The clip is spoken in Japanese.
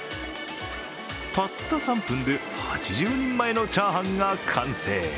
たった３分で８０人前のチャーハンが完成。